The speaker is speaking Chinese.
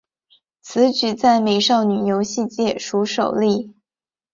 此举在美少女游戏界属首例。